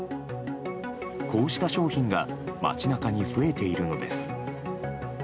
こうした商品が街中に増えているのです。